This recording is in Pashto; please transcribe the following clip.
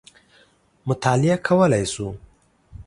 مطالعه کولای شو.